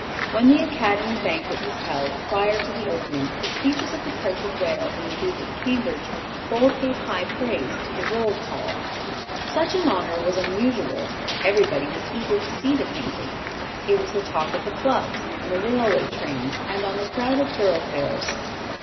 When the Academy banquet was held, prior to the opening, the speeches of the Prince of Wales and the Duke of Cambridge, both gave high praise to the "Roll Call." Such an honor was unusual. Everybody was eager to see the painting. It was the talk at the clubs, on the railway trains, and on the crowded thoroughfares.